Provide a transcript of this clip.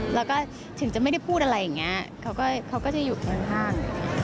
แล้วก็ถึงจะไม่ได้พูดอะไรอย่างนี้เขาก็จะอยู่ข้าง